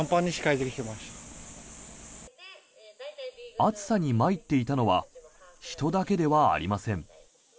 暑さに参っていたのは人だけではありません。